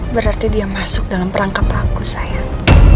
berarti dia masuk dalam perangkap aku sayang